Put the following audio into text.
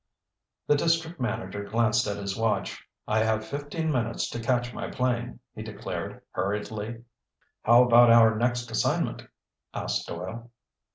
The district manager glanced at his watch. "I have fifteen minutes to catch my plane," he declared hurriedly. "How about our next assignment?" asked Doyle.